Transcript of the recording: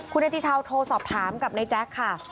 คุณเนติชาวโทรสอบถามกับนายแจ๊คค่ะ